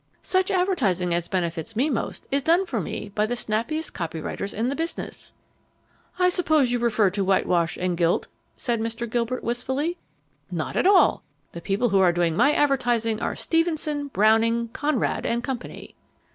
Such advertising as benefits me most is done for me by the snappiest copywriters in the business." "I suppose you refer to Whitewash and Gilt?" said Mr. Gilbert wistfully. "Not at all. The people who are doing my advertising are Stevenson, Browning, Conrad and Company."